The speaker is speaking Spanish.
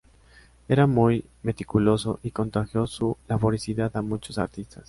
Era muy meticuloso y contagió su laboriosidad a muchos artistas.